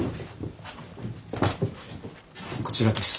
こちらです。